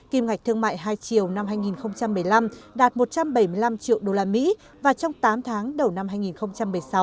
kim ngạch thương mại hai triệu năm hai nghìn một mươi năm đạt một trăm bảy mươi năm triệu usd và trong tám tháng đầu năm hai nghìn một mươi sáu